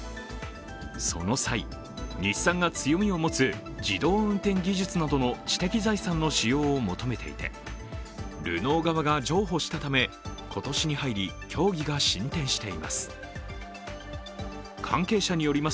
その際、日産が強みを持つ自動運転技術などの知的財産の使用を求めていて、ルノー側が譲歩したため、今年に入り、協議が進展しています